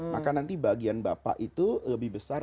maka nanti bagian bapak itu lebih besar